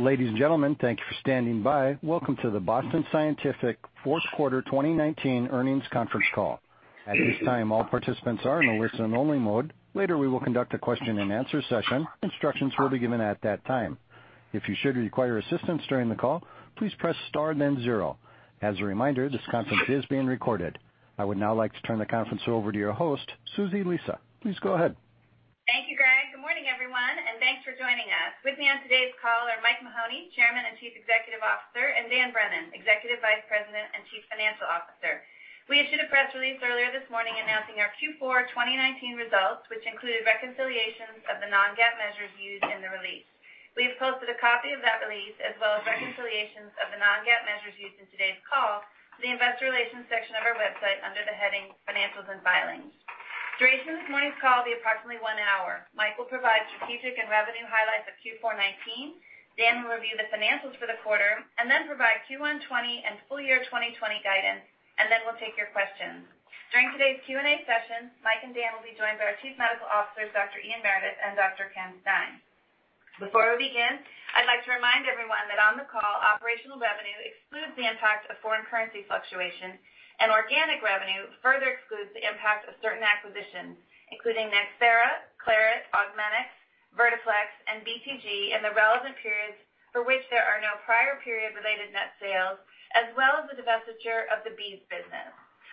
Ladies and gentlemen, thank you for standing by. Welcome to the Boston Scientific fourth quarter 2019 earnings conference call. At this time, all participants are in a listen only mode. Later, we will conduct a question and answer session. Instructions will be given at that time. If you should require assistance during the call, please press star then zero. As a reminder, this conference is being recorded. I would now like to turn the conference over to your host, Susie Lisa. Please go ahead. Thank you, Greg. Good morning, everyone, and thanks for joining us. With me on today's call are Mike Mahoney, Chairman and Chief Executive Officer, and Dan Brennan, Executive Vice President and Chief Financial Officer. We issued a press release earlier this morning announcing our Q4 2019 results, which included reconciliations of the non-GAAP measures used in the release. We've posted a copy of that release, as well as reconciliations of the non-GAAP measures used in today's call to the investor relations section of our website under the heading Financials and Filings. The duration of this morning's call will be approximately one hour. Mike will provide strategic and revenue highlights of Q4 2019. Dan will review the financials for the quarter and then provide Q1 2020 and full year 2020 guidance, and then we'll take your questions. During today's Q&A session, Mike and Dan will be joined by our chief medical officers, Dr. Ian Meredith and Dr. Ken Stein. Before we begin, I'd like to remind everyone that on the call, operational revenue excludes the impact of foreign currency fluctuation, and organic revenue further excludes the impact of certain acquisitions, including NxThera, Claret Medical, Augmenix, Vertiflex, and BTG in the relevant periods for which there are no prior period-related net sales, as well as the divestiture of the bees business.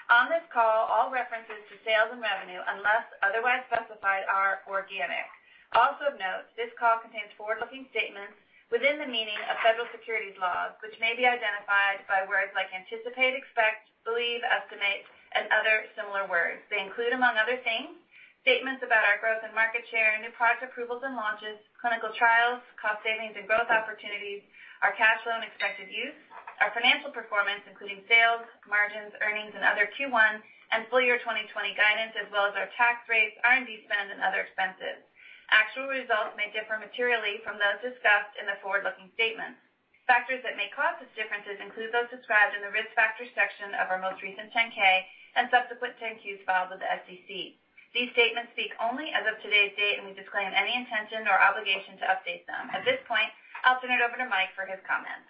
On this call, all references to sales and revenue, unless otherwise specified, are organic. Also of note, this call contains forward-looking statements within the meaning of federal securities laws, which may be identified by words like anticipate, expect, believe, estimate, and other similar words. They include, among other things, statements about our growth and market share, new product approvals and launches, clinical trials, cost savings and growth opportunities, our cash flow and expected use, our financial performance, including sales, margins, earnings, and other Q1 and full year 2020 guidance, as well as our tax rates, R&D spend, and other expenses. Actual results may differ materially from those discussed in the forward-looking statements. Factors that may cause this differences include those described in the risk factors section of our most recent 10-K and subsequent 10-Qs filed with the SEC. These statements speak only as of today's date, and we disclaim any intention or obligation to update them. At this point, I'll turn it over to Mike for his comments.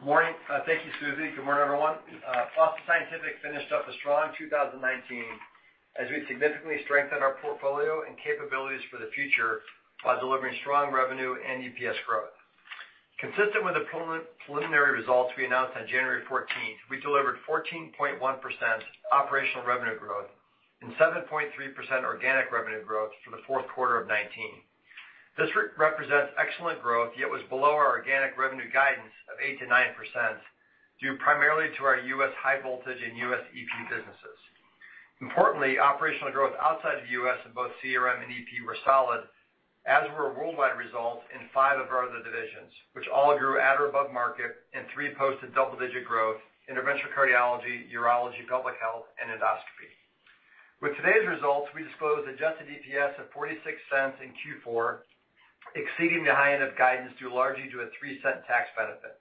Good morning. Thank you, Susie. Good morning, everyone. Boston Scientific finished up a strong 2019 as we significantly strengthened our portfolio and capabilities for the future while delivering strong revenue and EPS growth. Consistent with the preliminary results we announced on January 14th, we delivered 14.1% operational revenue growth and 7.3% organic revenue growth for the fourth quarter of 2019. This represents excellent growth, yet was below our organic revenue guidance of 8%-9% due primarily to our U.S. high voltage and U.S. EP businesses. Importantly, operational growth outside the U.S. in both CRM and EP were solid, as were worldwide results in five of our other divisions, which all grew at or above market and three posted double-digit growth, Interventional Cardiology, Urology and Pelvic Health, and Endoscopy. With today's results, we disclosed adjusted EPS of $0.46 in Q4, exceeding the high end of guidance due largely to a $0.03 tax benefit.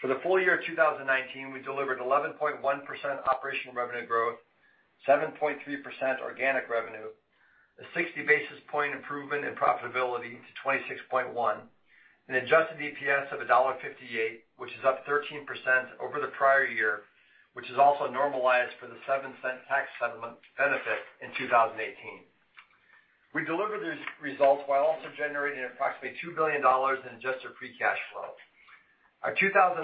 For the full year 2019, we delivered 11.1% operational revenue growth, 7.3% organic revenue, a 60 basis point improvement in profitability to 26.1%, an adjusted EPS of $1.58, which is up 13% over the prior year, which is also normalized for the $0.07 tax settlement benefit in 2018. We delivered these results while also generating approximately $2 billion in adjusted free cash flow. Our 2019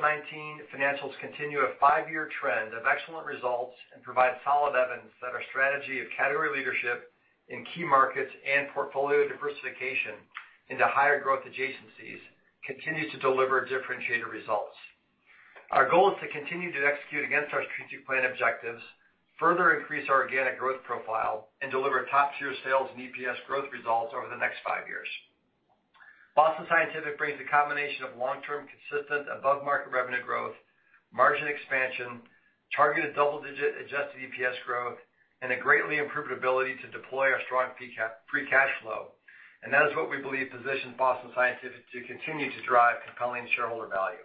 financials continue a five-year trend of excellent results and provide solid evidence that our strategy of category leadership in key markets and portfolio diversification into higher growth adjacencies continues to deliver differentiated results. Our goal is to continue to execute against our strategic plan objectives, further increase our organic growth profile, and deliver top-tier sales and EPS growth results over the next five years. Boston Scientific brings a combination of long-term, consistent above market revenue growth, margin expansion, targeted double-digit adjusted EPS growth, and a greatly improved ability to deploy our strong free cash flow. That is what we believe positions Boston Scientific to continue to drive compelling shareholder value.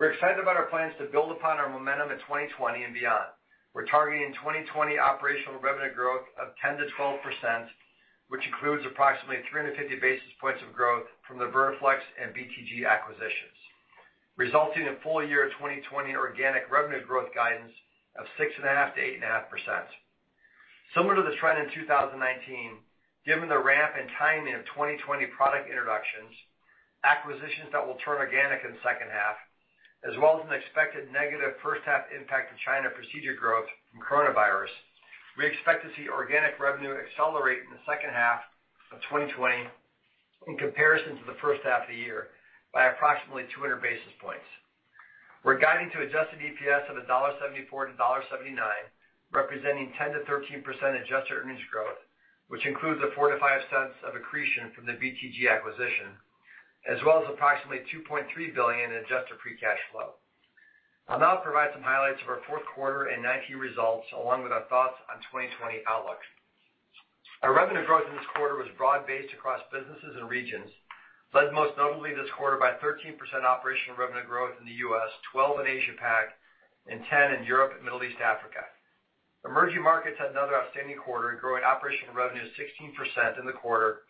We're excited about our plans to build upon our momentum in 2020 and beyond. We're targeting 2020 operational revenue growth of 10%-12%, which includes approximately 350 basis points of growth from the Vertiflex and BTG acquisitions, resulting in full year 2020 organic revenue growth guidance of 6.5%-8.5%. Similar to the trend in 2019, given the ramp and timing of 2020 product introductions, acquisitions that will turn organic in the second half, as well as an expected negative first half impact to China procedure growth from coronavirus, we expect to see organic revenue accelerate in the second half of 2020 in comparison to the first half of the year by approximately 200 basis points. We're guiding to adjusted EPS of $1.74-$1.79, representing 10%-13% adjusted earnings growth, which includes a $0.04-$0.05 of accretion from the BTG acquisition, as well as approximately $2.3 billion in adjusted free cash flow. I'll now provide some highlights of our fourth quarter and 2019 results along with our thoughts on 2020 outlook. Our revenue growth in this quarter was broad-based across businesses and regions, led most notably this quarter by 13% operational revenue growth in the U.S., 12% in Asia-Pac, and 10% in Europe and Middle East Africa. Emerging markets had another outstanding quarter, growing operational revenue 16% in the quarter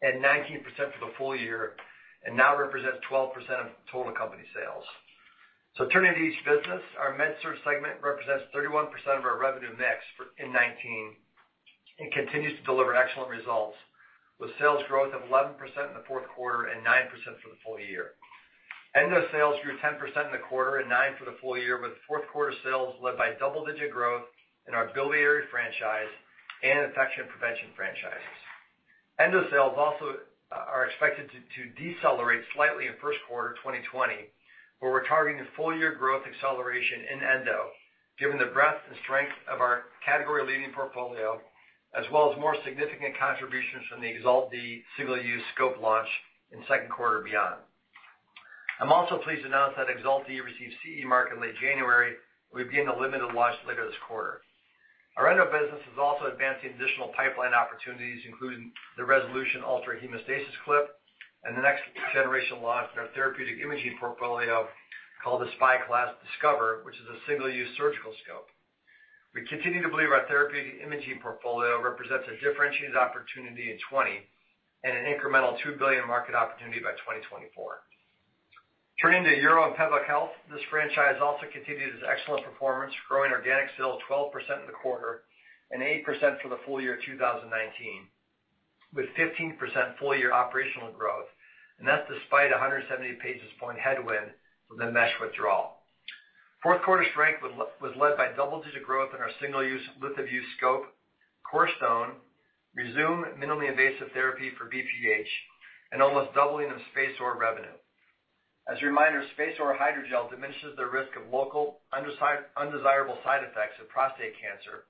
and 19% for the full year, and now represents 12% of total company sales. Turning to each business, our MedSurg segment represents 31% of our revenue mix in 2019, and continues to deliver excellent results with sales growth of 11% in the fourth quarter and nine percent for the full year. Endo sales grew 10% in the quarter and 9% for the full year, with fourth quarter sales led by double-digit growth in our biliary franchise and infection prevention franchises. Endo sales also are expected to decelerate slightly in first quarter 2020, where we're targeting a full-year growth acceleration in Endo, given the breadth and strength of our category-leading portfolio, as well as more significant contributions from the EXALT-D single-use scope launch in second quarter beyond. I'm also pleased to announce that EXALT-D received CE Mark in late January, and will begin a limited launch later this quarter. Our Endo business is also advancing additional pipeline opportunities, including the Resolution 360 ULTRA Clip and the next generation launch in our therapeutic imaging portfolio called the SpyGlass Discover, which is a single-use surgical scope. We continue to believe our therapeutic imaging portfolio represents a differentiated opportunity in 2020, and an incremental $2 billion market opportunity by 2024. Turning to Uro and Pelvic Health, this franchise also continues its excellent performance, growing organic sales 12% in the quarter and 8% for the full year 2019, with 15% full-year operational growth. That's despite 170 basis point headwind from the mesh withdrawal. Fourth quarter strength was led by double-digit growth in our single-use LithoVue scope, Stone Cone, Rezūm minimally invasive therapy for BPH, and almost doubling of SpaceOAR revenue. As a reminder, SpaceOAR hydrogel diminishes the risk of local undesirable side effects of prostate cancer,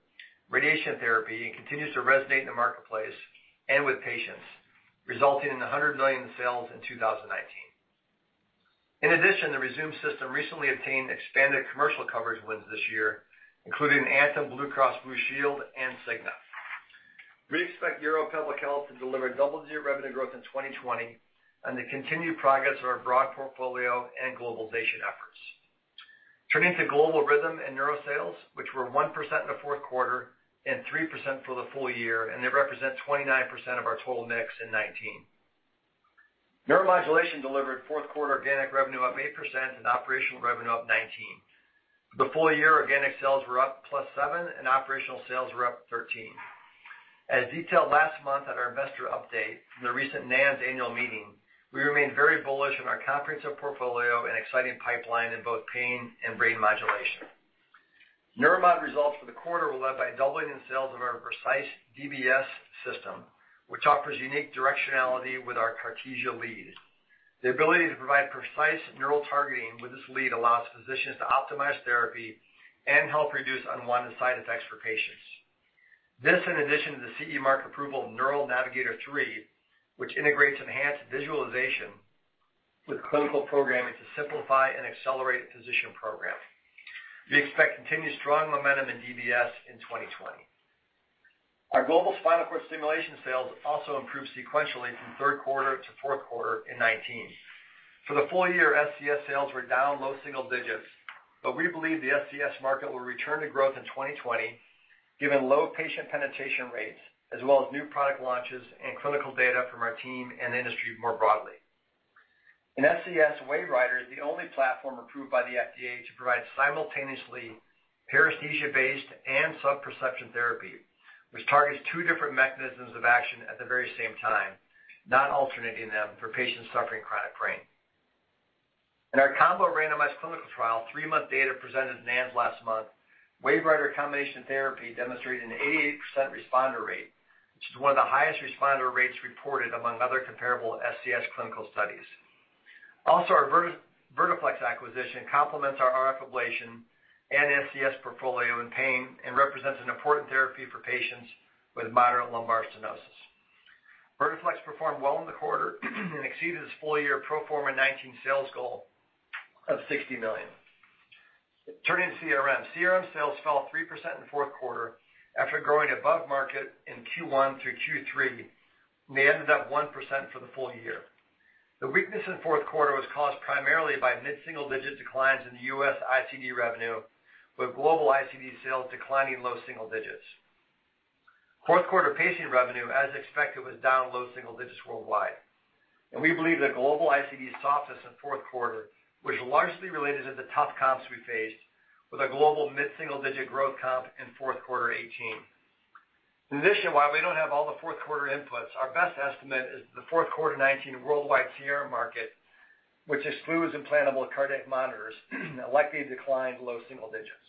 radiation therapy, and continues to resonate in the marketplace and with patients, resulting in $100 million in sales in 2019. In addition, the Rezūm system recently obtained expanded commercial coverage wins this year, including Anthem Blue Cross Blue Shield and Cigna. We expect Uro and Pelvic Health to deliver double-digit revenue growth in 2020 and the continued progress of our broad portfolio and globalization efforts. Turning to Global Rhythm and Neuro Sales, which were 1% in the fourth quarter and 3% for the full year, and they represent 29% of our total mix in 2019. Neuromodulation delivered fourth quarter organic revenue up 8% and operational revenue up 19%. The full year organic sales were up +7%, and operational sales were up 13%. As detailed last month at our investor update from the recent NANS annual meeting, we remain very bullish on our comprehensive portfolio and exciting pipeline in both pain and brain modulation. Neuromod results for the quarter were led by a doubling in sales of our Vercise DBS System, which offers unique directionality with our Cartesia lead. The ability to provide precise neural targeting with this lead allows physicians to optimize therapy and help reduce unwanted side effects for patients. This, in addition to the CE Mark approval of Neural Navigator 3, which integrates enhanced visualization with clinical programming to simplify and accelerate physician programming. We expect continued strong momentum in DBS in 2020. Our global spinal cord stimulation sales also improved sequentially from third quarter to fourth quarter in 2019. For the full year, SCS sales were down low single digits, but we believe the SCS market will return to growth in 2020 given low patient penetration rates as well as new product launches and clinical data from our team and the industry more broadly. In SCS, WaveWriter is the only platform approved by the FDA to provide simultaneously paresthesia-based and subperception therapy, which targets two different mechanisms of action at the very same time, not alternating them for patients suffering chronic pain. In our combo randomized clinical trial, three month data presented at NANS last month, WaveWriter combination therapy demonstrated an 88% responder rate, which is one of the highest responder rates reported among other comparable SCS clinical studies. Our Vertiflex acquisition complements our RF ablation and SCS portfolio in pain and represents an important therapy for patients with moderate lumbar stenosis. Vertiflex performed well in the quarter and exceeded its full-year pro forma 2019 sales goal of $60 million. Turning to CRM. CRM sales fell 3% in the fourth quarter after growing above market in Q1 through Q3. They ended up 1% for the full year. The weakness in fourth quarter was caused primarily by mid-single digit declines in the U.S. ICD revenue, with global ICD sales declining low single digits. Fourth quarter pacing revenue, as expected, was down low single digits worldwide. We believe the global ICD softness in fourth quarter was largely related to the tough comps we faced with a global mid-single-digit growth comp in fourth quarter 2018. In addition, while we don't have all the fourth quarter inputs, our best estimate is the fourth quarter 2019 worldwide CRM market, which is plus implantable cardiac monitors, likely declined low-single-digits.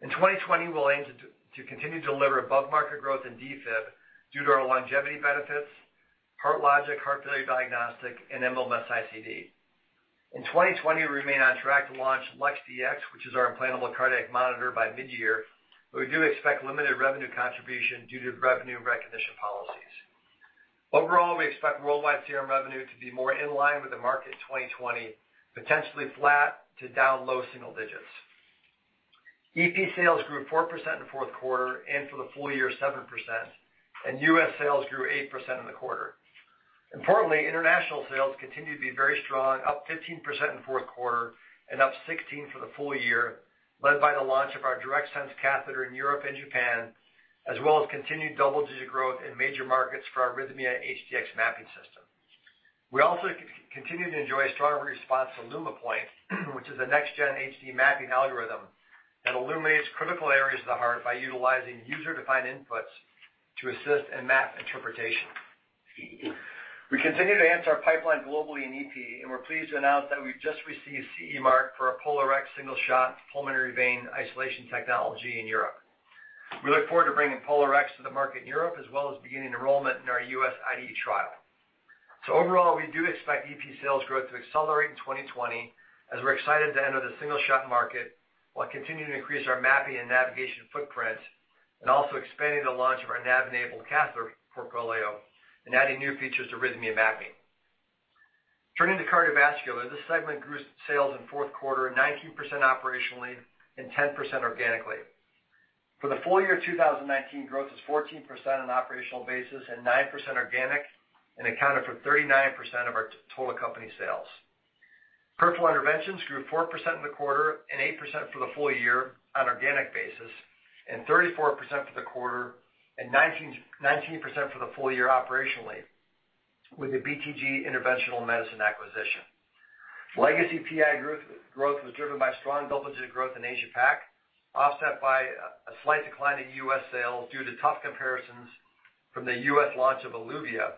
In 2020, we'll aim to continue to deliver above-market growth in defib due to our Longevity benefits, HeartLogic, Heart Failure Diagnostic, and MLMS ICD. In 2020, we remain on track to launch LUX-Dx, which is our implantable cardiac monitor, by mid-year, but we do expect limited revenue contribution due to revenue recognition policies. Overall, we expect worldwide CRM revenue to be more in line with the market in 2020, potentially flat to down low-single-digits. EP sales grew 4% in the fourth quarter, and for the full year 7%, and U.S. sales grew 8% in the quarter. Importantly, international sales continue to be very strong, up 15% in fourth quarter and up 16% for the full year, led by the launch of our DIRECTSENSE catheter in Europe and Japan, as well as continued double-digit growth in major markets for our RHYTHMIA HDx mapping system. We also continue to enjoy strong response to LUMIPOINT, which is a next-gen HD mapping algorithm that illuminates critical areas of the heart by utilizing user-defined inputs to assist in map interpretation. We continue to advance our pipeline globally in EP, and we're pleased to announce that we've just received CE Mark for our POLARx single-shot pulmonary vein isolation technology in Europe. We look forward to bringing POLARx to the market in Europe, as well as beginning enrollment in our U.S. IDE trial. Overall, we do expect EP sales growth to accelerate in 2020, as we're excited to enter the single-shot market while continuing to increase our mapping and navigation footprint and also expanding the launch of our nav-enabled catheter portfolio and adding new features to RHYTHMIA mapping. Turning to Cardiovascular, this segment grew sales in fourth quarter 19% operationally and 10% organically. For the full year 2019, growth was 14% on an operational basis and 9% organic, and accounted for 39% of our total company sales. Peripheral Interventions grew 4% in the quarter and 8% for the full year on an organic basis, and 34% for the quarter and 19% for the full year operationally with the BTG Interventional Medicine acquisition. Legacy PI growth was driven by strong double-digit growth in Asia Pac, offset by a slight decline in U.S. sales due to tough comparisons from the U.S. launch of Eluvia,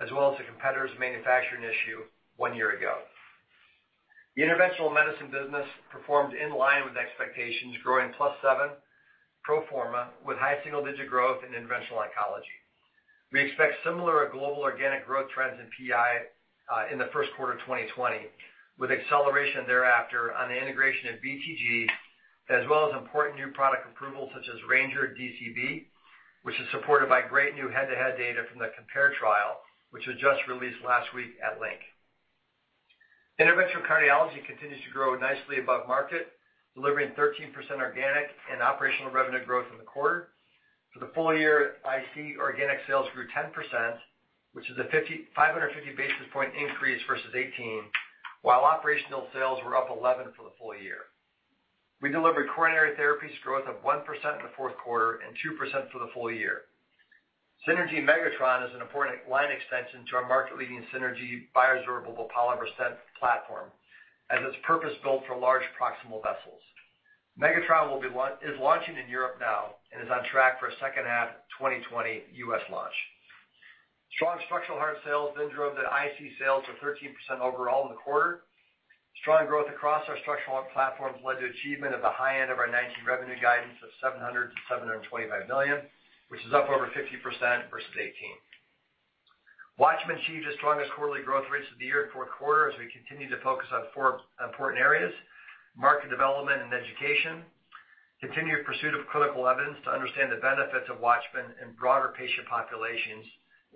as well as a competitor's manufacturing issue one year ago. The interventional medicine business performed in line with expectations, growing +7% pro forma with high single-digit growth in interventional oncology. We expect similar global organic growth trends in PI in the first quarter of 2020, with acceleration thereafter on the integration of BTG, as well as important new product approvals such as Ranger DCB, which is supported by great new head-to-head data from the COMPARE trial, which was just released last week at LINC. Interventional cardiology continues to grow nicely above market, delivering 13% organic and operational revenue growth in the quarter. For the full year, IC organic sales grew 10%, which is a 550 basis point increase versus 2018, while operational sales were up 11% for the full year. We delivered coronary therapies growth of 1% in the fourth quarter and 2% for the full year. SYNERGY MEGATRON is an important line extension to our market-leading SYNERGY bioabsorbable polymer stent platform as it's purpose-built for large proximal vessels. Megatron is launching in Europe now and is on track for a second half 2020 U.S. launch. Strong structural heart sales drove the IC sales to 13% overall in the quarter. Strong growth across our structural heart platforms led to achievement of the high end of our 2019 revenue guidance of $700 million-$725 million, which is up over 50% versus 2018. WATCHMAN achieved its strongest quarterly growth rates of the year in the fourth quarter as we continue to focus on four important areas: market development and education, continued pursuit of clinical evidence to understand the benefits of WATCHMAN in broader patient populations,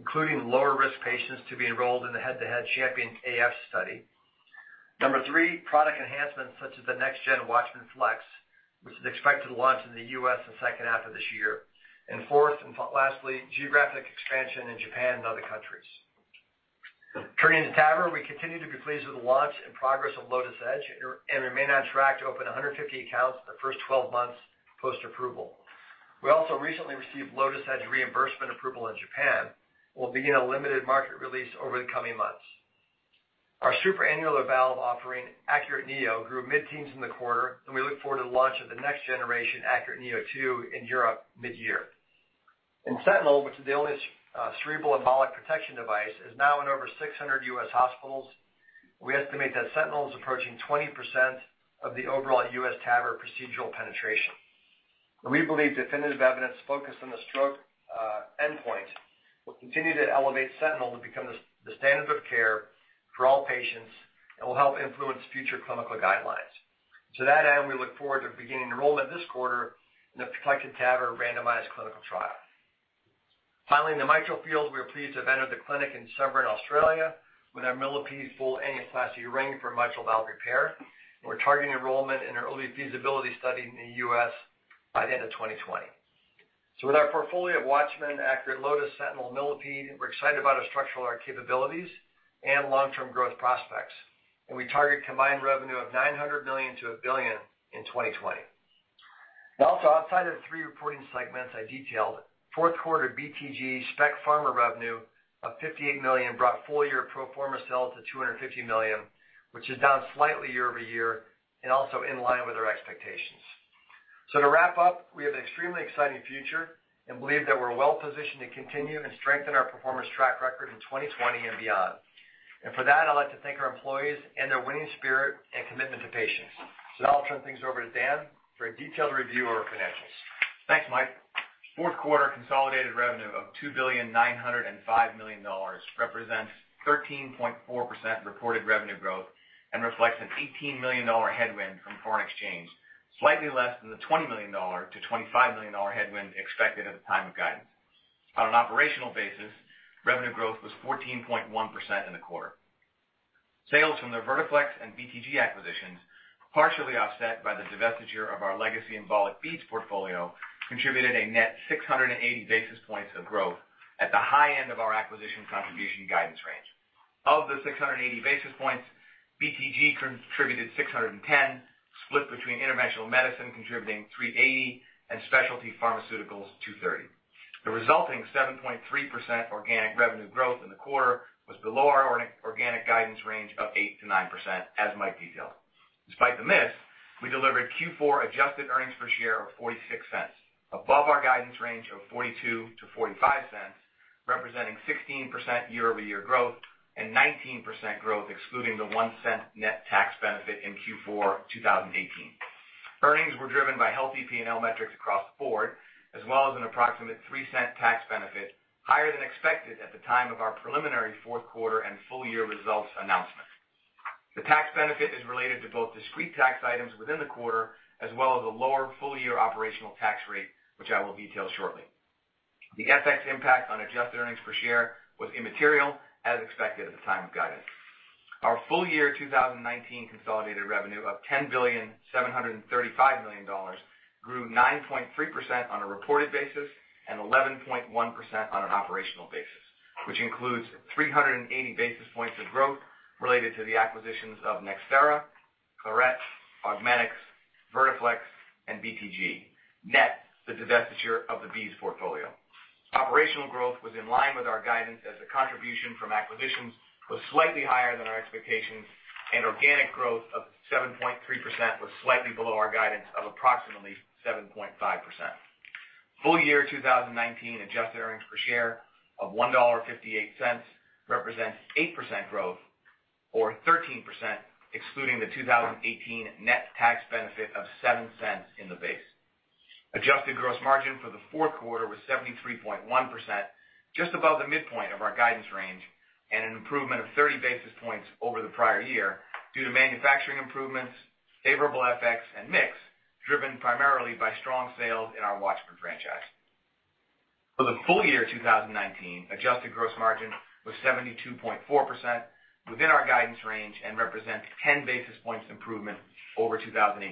including lower-risk patients to be enrolled in the head-to-head CHAMPION-AF study. Number three, product enhancements such as the next-gen WATCHMAN FLX, which is expected to launch in the U.S. in the second half of this year. Fourth and lastly, geographic expansion in Japan and other countries. Turning to TAVR, we continue to be pleased with the launch and progress of LOTUS Edge, and remain on track to open 150 accounts in the first 12 months post-approval. We also recently received LOTUS Edge reimbursement approval in Japan and will begin a limited market release over the coming months. Our supra-annular valve offering, ACURATE neo, grew mid-teens in the quarter. We look forward to the launch of the next generation, ACURATE neo2, in Europe mid-year. Sentinel, which is the only cerebral embolic protection device, is now in over 600 U.S. hospitals. We estimate that Sentinel is approaching 20% of the overall U.S. TAVR procedural penetration. We believe definitive evidence focused on the stroke endpoint will continue to elevate Sentinel to become the standard of care for all patients and will help influence future clinical guidelines. To that end, we look forward to beginning enrollment this quarter in the PROTECTED TAVR randomized clinical trial. Finally, in the mitral field, we are pleased to have entered the clinic in sub-urban Australia with our Millipede full annuloplasty ring for mitral valve repair. We're targeting enrollment in our early feasibility study in the U.S. by the end of 2020. With our portfolio of WATCHMAN, ACURATE, LOTUS, SENTINEL, Millipede, we're excited about our structural heart capabilities and long-term growth prospects. We target combined revenue of $900 million-$1 billion in 2020. Outside of the three reporting segments I detailed, fourth quarter BTG spec pharma revenue of $58 million brought full-year pro forma sales to $250 million, which is down slightly year-over-year and also in line with our expectations. To wrap up, we have an extremely exciting future and believe that we're well-positioned to continue and strengthen our performance track record in 2020 and beyond. For that, I'd like to thank our employees and their winning spirit and commitment to patients. Now I'll turn things over to Dan for a detailed review of our financials. Thanks, Mike. Fourth quarter consolidated revenue of $2,905,000,000 represents 13.4% reported revenue growth and reflects an $18 million headwind from foreign exchange, slightly less than the $20 million-$25 million headwind expected at the time of guidance. On an operational basis, revenue growth was 14.1% in the quarter. Sales from the Vertiflex and BTG acquisitions, partially offset by the divestiture of our legacy Embolic beads portfolio, contributed a net 680 basis points of growth at the high end of our acquisition contribution guidance range. Of the 680 basis points, BTG contributed 610, split between Interventional Medicine contributing 380 and Specialty Pharmaceuticals 230. The resulting 7.3% organic revenue growth in the quarter was below our organic guidance range of 8%-9%, as Mike detailed. Despite the miss, we delivered Q4 adjusted earnings per share of $0.46, above our guidance range of $0.42-$0.45, representing 16% year-over-year growth and 19% growth excluding the $0.01 net tax benefit in Q4 2018. Earnings were driven by healthy P&L metrics across the board, as well as an approximate $0.03 tax benefit, higher than expected at the time of our preliminary fourth quarter and full-year results announcement. The tax benefit is related to both discrete tax items within the quarter, as well as a lower full-year operational tax rate, which I will detail shortly. The FX impact on adjusted earnings per share was immaterial, as expected at the time of guidance. Our full-year 2019 consolidated revenue of $10,735,000,000 grew 9.3% on a reported basis and 11.1% on an operational basis, which includes 380 basis points of growth related to the acquisitions of NxThera, Claret, Augmenix, Vertiflex, and BTG, net the divestiture of the beads portfolio. Operational growth was in line with our guidance as the contribution from acquisitions was slightly higher than our expectations, and organic growth of 7.3% was slightly below our guidance of approximately 7.5%. Full year 2019 adjusted earnings per share of $1.58 represent 8% growth, or 13%, excluding the 2018 net tax benefit of $0.07 in the base. Adjusted gross margin for the fourth quarter was 73.1%, just above the midpoint of our guidance range, and an improvement of 30 basis points over the prior year due to manufacturing improvements, favorable FX and mix, driven primarily by strong sales in our WATCHMAN franchise. For the full year 2019, adjusted gross margin was 72.4%, within our guidance range and represents 10 basis points improvement over 2018.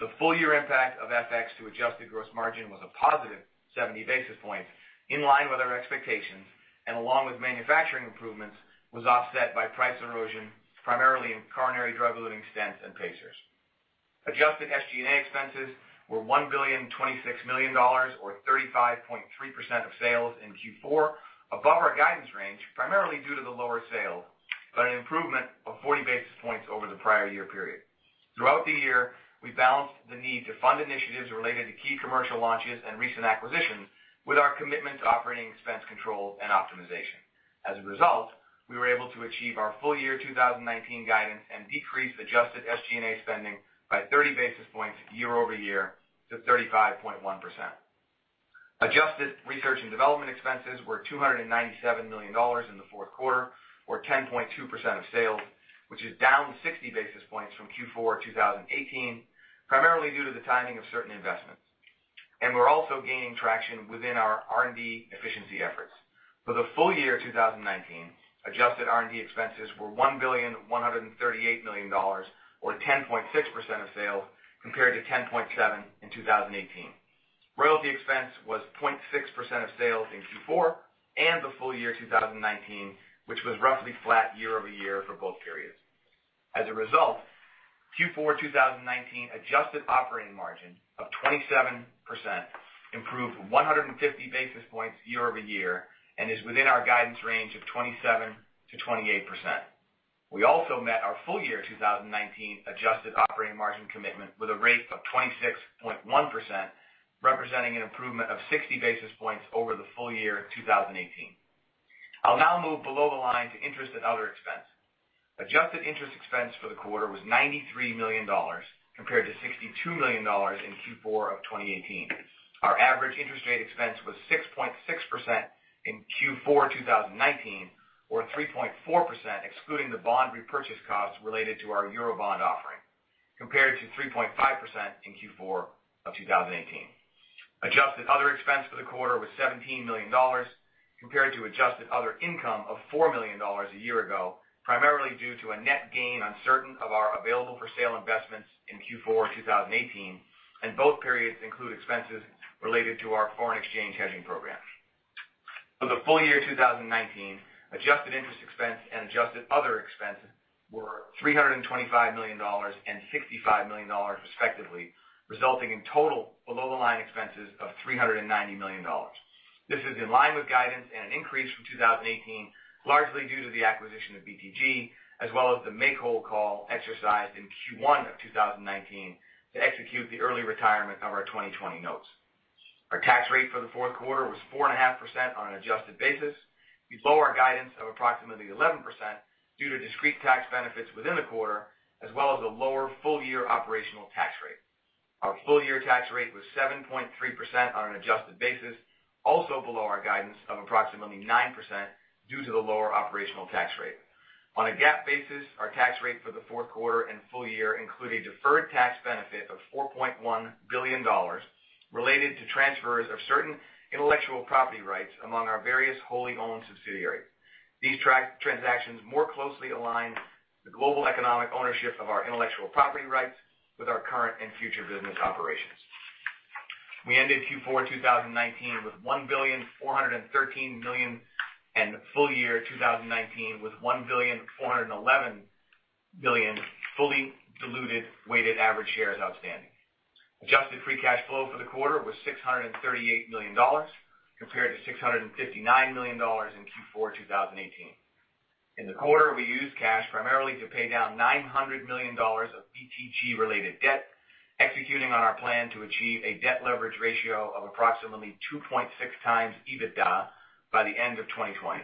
The full year impact of FX to adjusted gross margin was a positive 70 basis points, in line with our expectations, and along with manufacturing improvements, was offset by price erosion, primarily in coronary drug-eluting stents and pacers. Adjusted SG&A expenses were $1,026,000,000, or 35.3% of sales in Q4, above our guidance range, primarily due to the lower sales, but an improvement of 40 basis points over the prior year period. Throughout the year, we balanced the need to fund initiatives related to key commercial launches and recent acquisitions with our commitment to operating expense control and optimization. As a result, we were able to achieve our full year 2019 guidance and decrease adjusted SG&A spending by 30 basis points year over year to 35.1%. Adjusted research and development expenses were $297 million in the fourth quarter or 10.2% of sales, which is down 60 basis points from Q4 2018, primarily due to the timing of certain investments. We're also gaining traction within our R&D efficiency efforts. For the full year 2019, adjusted R&D expenses were $1,138 million, or 10.6% of sales, compared to 10.7% in 2018. Royalty expense was 0.6% of sales in Q4 and the full year 2019, which was roughly flat year-over-year for both periods. As a result, Q4 2019 adjusted operating margin of 27% improved 150 basis points year-over-year and is within our guidance range of 27%-28%. We also met our full year 2019 adjusted operating margin commitment with a rate of 26.1%, representing an improvement of 60 basis points over the full year 2018. I'll now move below the line to interest and other expense. Adjusted interest expense for the quarter was $93 million compared to $62 million in Q4 of 2018. Our average interest rate expense was 6.6% in Q4 2019, or 3.4% excluding the bond repurchase costs related to our Eurobond offering, compared to 3.5% in Q4 of 2018. Adjusted other expense for the quarter was $17 million compared to adjusted other income of $4 million a year ago, primarily due to a net gain on certain of our available-for-sale investments in Q4 2018, and both periods include expenses related to our foreign exchange hedging program. For the full year 2019, adjusted interest expense and adjusted other expenses were $325 million and $65 million respectively, resulting in total below-the-line expenses of $390 million. This is in line with guidance and an increase from 2018, largely due to the acquisition of BTG, as well as the make-whole call exercised in Q1 of 2019 to execute the early retirement of our 2020 notes. Our tax rate for the fourth quarter was 4.5% on an adjusted basis, below our guidance of approximately 11% due to discrete tax benefits within the quarter, as well as a lower full-year operational tax rate. Our full-year tax rate was 7.3% on an adjusted basis, also below our guidance of approximately 9% due to the lower operational tax rate. On a GAAP basis. Our tax rate for the fourth quarter and full year include a deferred tax benefit of $4.1 billion related to transfers of certain intellectual property rights among our various wholly-owned subsidiaries. These transactions more closely align the global economic ownership of our intellectual property rights with our current and future business operations. We ended Q4 2019 with 1,413 million, and full year 2019 with 1,411 million fully diluted weighted average shares outstanding. Adjusted free cash flow for the quarter was $638 million, compared to $659 million in Q4 2018. In the quarter, we used cash primarily to pay down $900 million of BTG-related debt, executing on our plan to achieve a debt leverage ratio of approximately 2.6 times EBITDA by the end of 2020.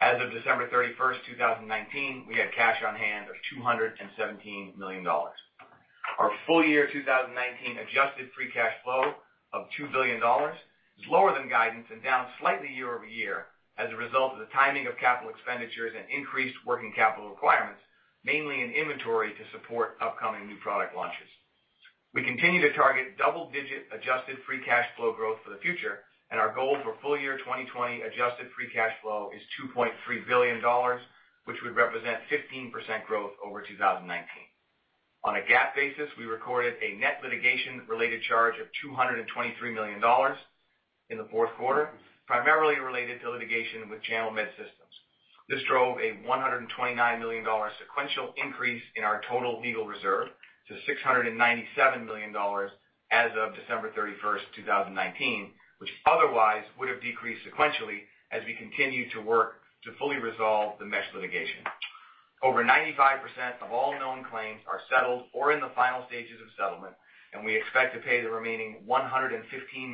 As of December 31st, 2019, we had cash on hand of $217 million. Our full year 2019 adjusted free cash flow of $2 billion is lower than guidance and down slightly year-over-year as a result of the timing of capital expenditures and increased working capital requirements, mainly in inventory to support upcoming new product launches. We continue to target double-digit adjusted free cash flow growth for the future, and our goal for full year 2020 adjusted free cash flow is $2.3 billion, which would represent 15% growth over 2019. On a GAAP basis, we recorded a net litigation-related charge of $223 million in the fourth quarter, primarily related to litigation with Channel Medsystems. This drove a $129 million sequential increase in our total legal reserve to $697 million as of December 31st, 2019, which otherwise would have decreased sequentially as we continue to work to fully resolve the mesh litigation. Over 95% of all known claims are settled or in the final stages of settlement, and we expect to pay the remaining $115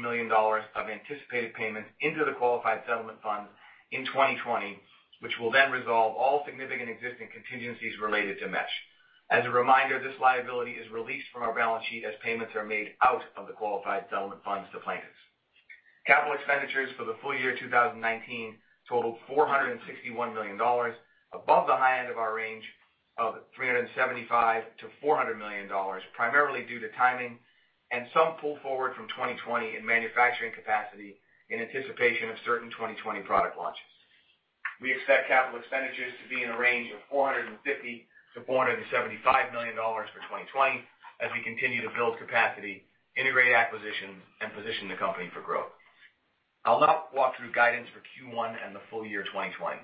million of anticipated payments into the qualified settlement fund in 2020, which will then resolve all significant existing contingencies related to mesh. As a reminder, this liability is released from our balance sheet as payments are made out of the qualified settlement funds to plaintiffs. Capital expenditures for the full year 2019 totaled $461 million, above the high end of our range of $375 million-$400 million, primarily due to timing and some pull forward from 2020 in manufacturing capacity in anticipation of certain 2020 product launches. We expect capital expenditures to be in a range of $450 million-$475 million for 2020 as we continue to build capacity, integrate acquisitions, and position the company for growth. I'll now walk through guidance for Q1 and the full year 2020.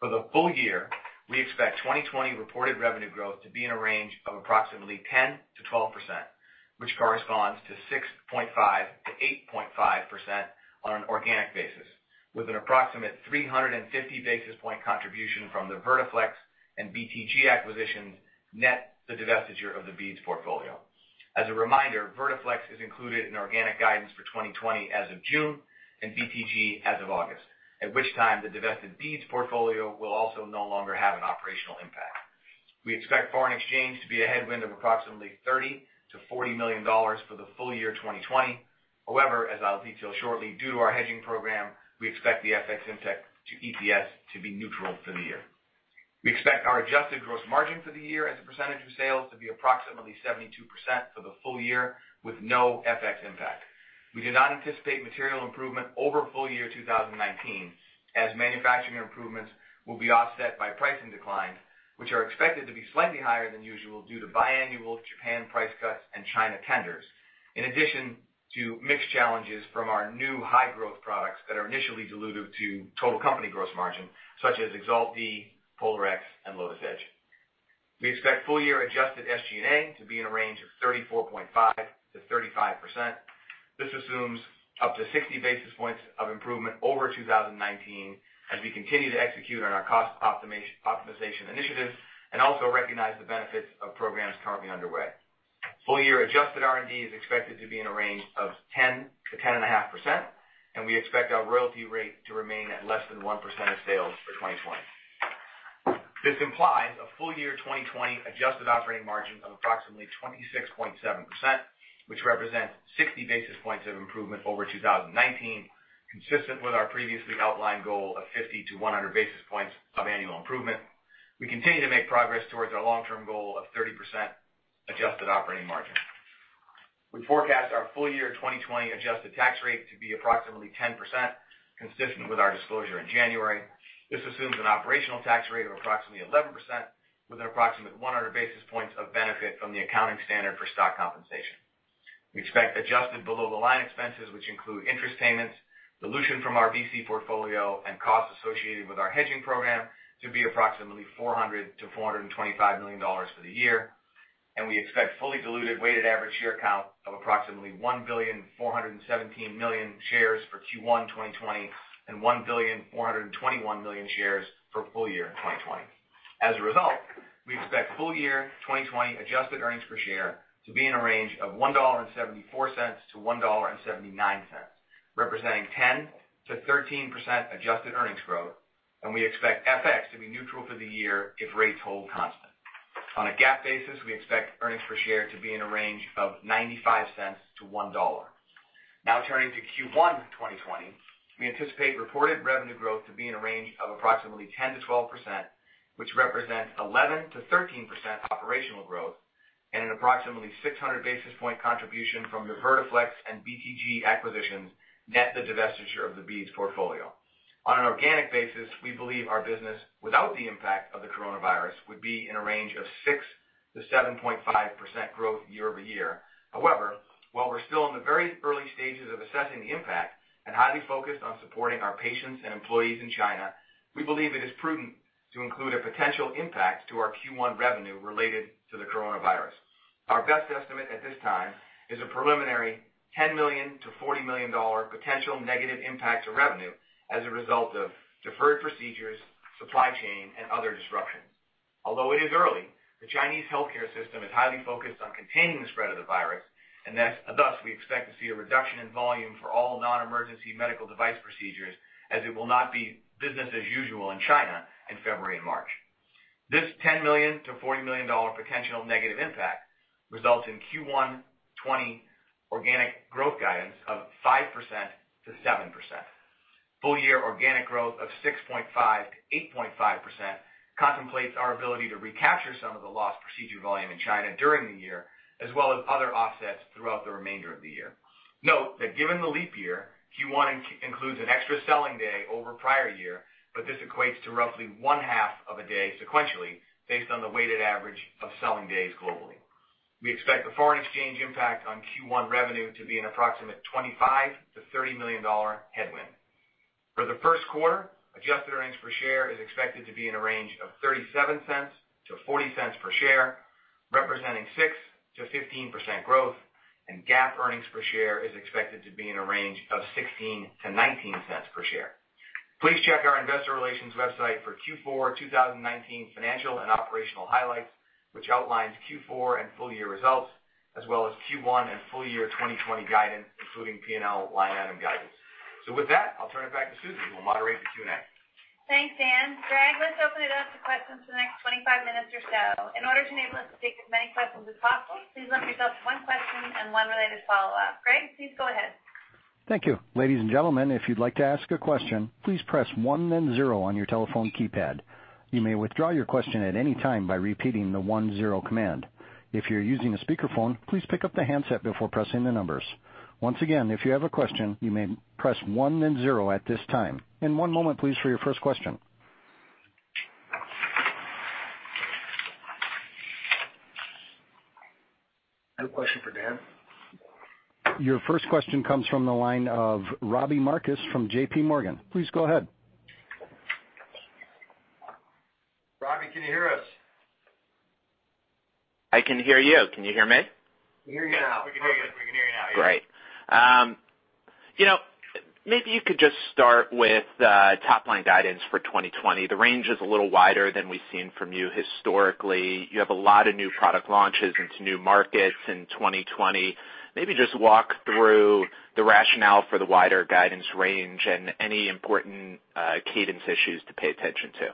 For the full year, we expect 2020 reported revenue growth to be in a range of approximately 10%-12%, which corresponds to 6.5%-8.5% on an organic basis, with an approximate 350 basis point contribution from the Vertiflex and BTG acquisitions, net the divestiture of the beads portfolio. As a reminder, Vertiflex is included in organic guidance for 2020 as of June, and BTG as of August, at which time the divested beads portfolio will also no longer have an operational impact. We expect foreign exchange to be a headwind of approximately $30 million-$40 million for the full year 2020. However, as I'll detail shortly, due to our hedging program, we expect the FX impact to EPS to be neutral for the year. We expect our adjusted gross margin for the year as a percentage of sales to be approximately 72% for the full year with no FX impact. We do not anticipate material improvement over full year 2019, as manufacturing improvements will be offset by pricing declines, which are expected to be slightly higher than usual due to biannual Japan price cuts and China tenders. In addition to mix challenges from our new high-growth products that are initially dilutive to total company gross margin, such as EXALT-D, POLARx, and LOTUS Edge. We expect full year adjusted SG&A to be in a range of 34.5%-35%. This assumes up to 60 basis points of improvement over 2019 as we continue to execute on our cost optimization initiatives and also recognize the benefits of programs currently underway. Full year adjusted R&D is expected to be in a range of 10%-10.5%, and we expect our royalty rate to remain at less than 1% of sales for 2020. This implies a full year 2020 adjusted operating margin of approximately 26.7%, which represents 60 basis points of improvement over 2019, consistent with our previously outlined goal of 50-100 basis points of annual improvement. We continue to make progress towards our long-term goal of 30% adjusted operating margin. We forecast our full year 2020 adjusted tax rate to be approximately 10%, consistent with our disclosure in January. This assumes an operational tax rate of approximately 11% with an approximate 100 basis points of benefit from the accounting standard for stock compensation. We expect adjusted below-the-line expenses, which include interest payments, dilution from our VC portfolio, and costs associated with our hedging program to be approximately $400 million-$425 million for the year. We expect fully diluted weighted average share count of approximately 1,417,000,000 shares for Q1 2020 and 1,421,000,000 shares for full year 2020. As a result, we expect full year 2020 adjusted earnings per share to be in a range of $1.74-$1.79, representing 10%-13% adjusted earnings growth. We expect FX to be neutral for the year if rates hold constant. On a GAAP basis, we expect earnings per share to be in a range of $0.95 to $1. Turning to Q1 2020, we anticipate reported revenue growth to be in a range of approximately 10%-12%, which represents 11%-13% operational growth and an approximately 600 basis point contribution from the Vertiflex and BTG acquisitions, net the divestiture of the beads portfolio. On an organic basis, we believe our business, without the impact of the coronavirus, would be in a range of 6%-7.5% growth year-over-year. While we're still in the very early stages of assessing the impact and highly focused on supporting our patients and employees in China, we believe it is prudent to include a potential impact to our Q1 revenue related to the coronavirus. Our best estimate at this time is a preliminary $10 million-$40 million potential negative impact to revenue as a result of deferred procedures, supply chain, and other disruptions. Although it is early, the Chinese healthcare system is highly focused on containing the spread of the virus, and thus, we expect to see a reduction in volume for all non-emergency medical device procedures as it will not be business as usual in China in February and March. This $10 million-$40 million potential negative impact results in Q1 2020 organic growth guidance of 5%-7%. Full year organic growth of 6.5%-8.5% contemplates our ability to recapture some of the lost procedure volume in China during the year, as well as other offsets throughout the remainder of the year. Given the leap year, Q1 includes an extra selling day over prior year, but this equates to roughly one half of a day sequentially, based on the weighted average of selling days globally. We expect the foreign exchange impact on Q1 revenue to be an approximate $25 million-$30 million headwind. For the first quarter, adjusted earnings per share is expected to be in a range of $0.37-$0.40 per share, representing 6%-15% growth, and GAAP earnings per share is expected to be in a range of $0.16-$0.19 per share. Please check our investor relations website for Q4 2019 financial and operational highlights, which outlines Q4 and full-year results, as well as Q1 and full-year 2020 guidance, including P&L line item guidance. With that, I'll turn it back to Susie, who will moderate the Q&A. Thanks, Dan. Greg, let's open it up to questions for the next 25 minutes or so. In order to enable us to take as many questions as possible, please limit yourself to one question and one related follow-up. Greg, please go ahead. Thank you. Ladies and gentlemen, if you'd like to ask a question, please press one then zero on your telephone keypad. You may withdraw your question at any time by repeating the one-zero command. If you're using a speakerphone, please pick up the handset before pressing the numbers. Once again, if you have a question, you may press one then zero at this time. One moment please for your first question. I have a question for Dan. Your first question comes from the line of Robbie Marcus from JPMorgan. Please go ahead. Robbie, can you hear us? I can hear you. Can you hear me? We can hear you now, yeah. Great. Maybe you could just start with top-line guidance for 2020. The range is a little wider than we've seen from you historically. You have a lot of new product launches into new markets in 2020. Maybe just walk through the rationale for the wider guidance range and any important cadence issues to pay attention to.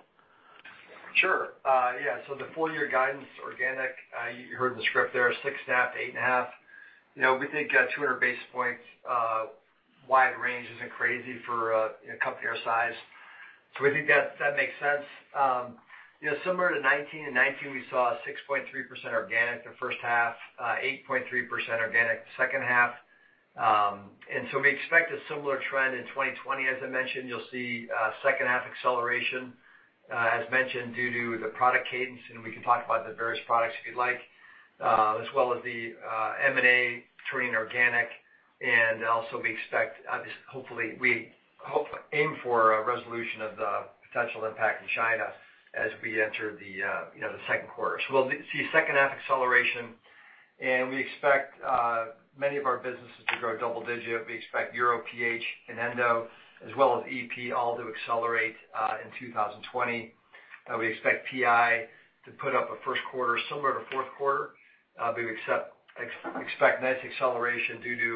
Sure. Yeah. The full-year guidance organic, you heard in the script there, is 6.5%-8.5%. We think a 200 basis points wide range isn't crazy for a company our size. We think that makes sense. Similar to 2019. In 2019, we saw a 6.3% organic the first half, 8.3% organic the second half. We expect a similar trend in 2020. As I mentioned, you'll see second half acceleration, as mentioned, due to the product cadence, and we can talk about the various products if you'd like, as well as the M&A turning organic. We aim for a resolution of the potential impact in China as we enter the second quarter. We'll see second half acceleration, and we expect many of our businesses to grow double digit. We expect Uro, Pelvic Health, and Endoscopy, as well as EP, all to accelerate in 2020. We expect PI to put up a first quarter similar to fourth quarter. We expect nice acceleration due to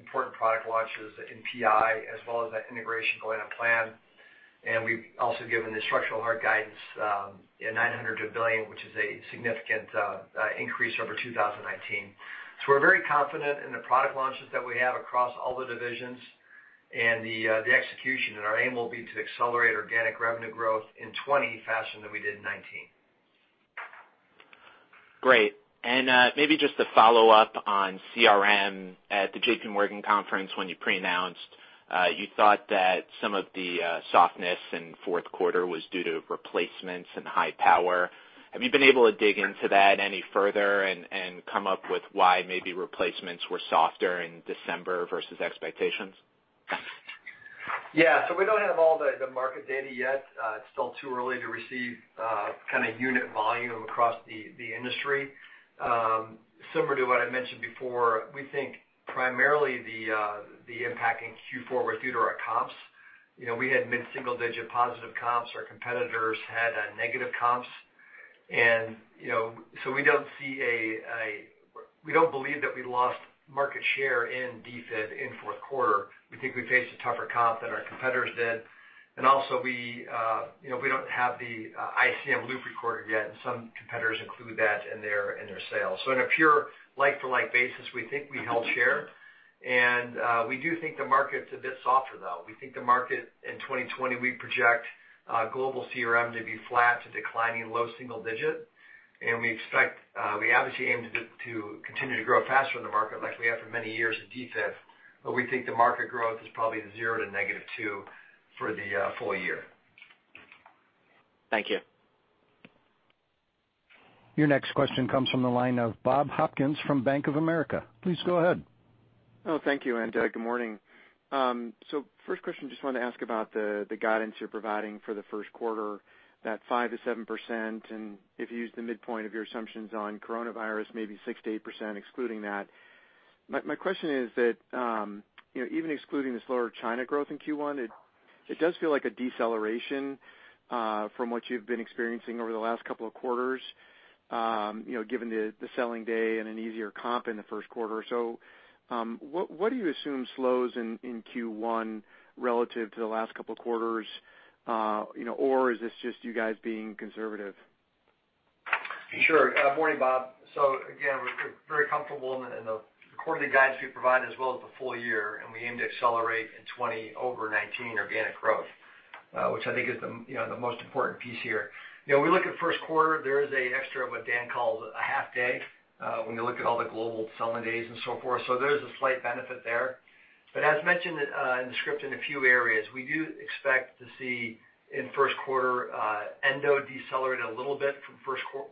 important product launches in PI, as well as that integration going to plan. We've also given the structural heart guidance, $900 million-$1 billion, which is a significant increase over 2019. We're very confident in the product launches that we have across all the divisions and the execution, and our aim will be to accelerate organic revenue growth in 2020 faster than we did in 2019. Great. Maybe just to follow up on CRM. At the JPMorgan conference, when you pre-announced, you thought that some of the softness in fourth quarter was due to replacements and high power. Have you been able to dig into that any further and come up with why maybe replacements were softer in December versus expectations? We don't have all the market data yet. It's still too early to receive unit volume across the industry. Similar to what I mentioned before, we think primarily the impact in Q4 was due to our comps. We had mid-single digit positive comps. Our competitors had negative comps. We don't believe that we lost market share in Defibrillators in fourth quarter. We think we faced a tougher comp than our competitors did. We don't have the ICM loop recorder yet, and some competitors include that in their sales. In a pure like-to-like basis, we think we held share. We do think the market's a bit softer, though. We think the market in 2020, we project global CRM to be flat to declining low single digit. We obviously aim to continue to grow faster than the market like we have for many years in defib, but we think the market growth is probably 0% to -2% for the full year. Thank you. Your next question comes from the line of Bob Hopkins from Bank of America. Please go ahead. Thank you. Good morning. First question, just wanted to ask about the guidance you're providing for the first quarter, that 5%-7%, if you use the midpoint of your assumptions on coronavirus, maybe 6%-8% excluding that. My question is that, even excluding the slower China growth in Q1, it does feel like a deceleration from what you've been experiencing over the last couple of quarters, given the selling day and an easier comp in the first quarter. What do you assume slows in Q1 relative to the last couple of quarters? Or is this just you guys being conservative? Morning, Bob. Again, we're very comfortable in the quarterly guidance we provide as well as the full year, and we aim to accelerate in 2020 over 2019 organic growth, which I think is the most important piece here. We look at the first quarter, there is an extra of what Dan called a half day, when you look at all the global selling days and so forth. There's a slight benefit there. As mentioned in the script in a few areas, we do expect to see in the first quarter, Endo decelerate a little bit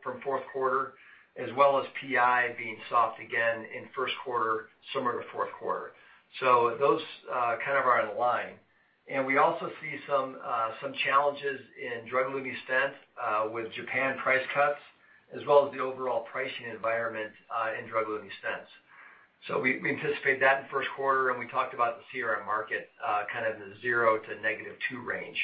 from fourth quarter, as well as PI being soft again in the first quarter, similar to fourth quarter. Those kind of are in line. We also see some challenges in drug-eluting stents with Japan price cuts, as well as the overall pricing environment in drug-eluting stents. We anticipate that in the first quarter, we talked about the CRM market, kind of the 0% to -2% range.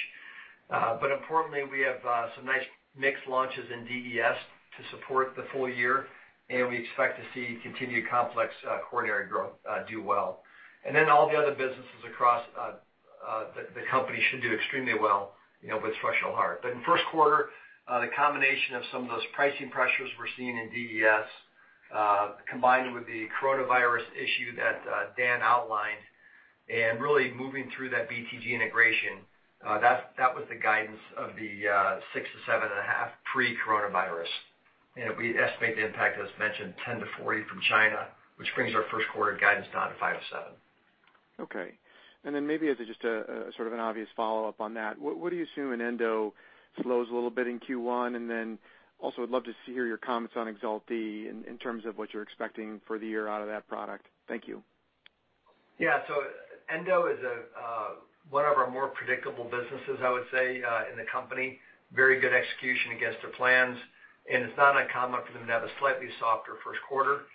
Importantly, we have some nice mixed launches in DES to support the full year, and we expect to see continued complex coronary growth do well. All the other businesses across the company should do extremely well, with structural heart. In the first quarter, the combination of some of those pricing pressures we're seeing in DES, combined with the coronavirus issue that Dan outlined and really moving through that BTG integration, that was the guidance of the 6%-7.5% pre-coronavirus. We estimate the impact, as mentioned, $10 million-$40 million from China, which brings our first-quarter guidance down to 5%-7%. Okay. Maybe as just a sort of an obvious follow-up on that, what do you assume in endo slows a little bit in Q1? I'd love to hear your comments on EXALT-D in terms of what you're expecting for the year out of that product. Thank you. Endo is one of our more predictable businesses, I would say, in the company. Very good execution against their plans, and it's not uncommon for them to have a slightly softer first quarter.